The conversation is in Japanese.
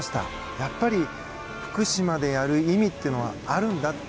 やっぱり福島でやる意味というのはあるんだって。